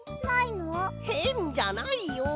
へんじゃないよ！